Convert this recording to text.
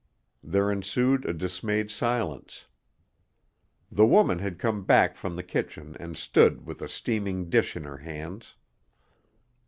There ensued a dismayed silence. The woman had come back from the kitchen and stood with a steaming dish in her hands.